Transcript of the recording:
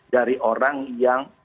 dari orang yang